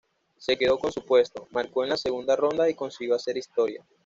Se quedó con su puesto, marcó en la segunda ronda y consiguió hacer historia.